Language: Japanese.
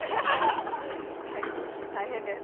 はい大変です。